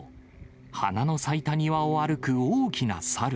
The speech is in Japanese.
花の咲いた庭を歩く大きな猿。